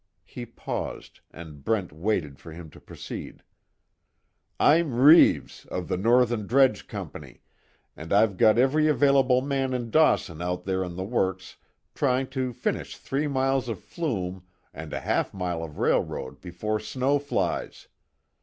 He paused, and Brent waited for him to proceed, "I'm Reeves, of the Northern Dredge Company, and I've got every available man in Dawson out there on the works trying to finish three miles of flume and a half mile of railroad before snow flies.